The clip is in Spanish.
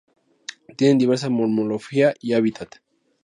Tienen diversa morfología y hábitat.